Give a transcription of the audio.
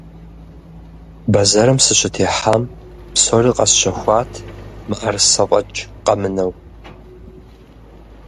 Бэзэрым сыщытехьам, псори къэсщэхуат, мыӏэрысэ фӏэкӏ къэмынэу.